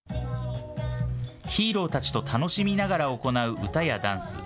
ヒーローたちと楽しみながら行う歌やダンス。